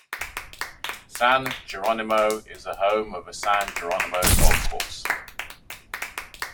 San Geronimo is the home of the San Geronimo Golf Course.